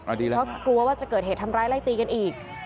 เพราะกลัวว่าจะเกิดเหตุทำร้ายไล่ตีกันอีก